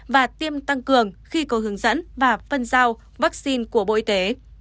và tiêm tăng cường khi có hướng dẫn và phân giao vaccine của bộ y tế